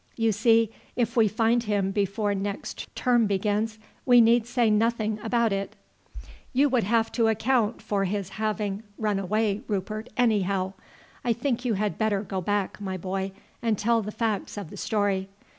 You see, if we find him before next term begins, we need say nothing about it." "You would have to account for his having run away, Rupert, anyhow. I think you had better go back, my boy, and tell the facts of the story.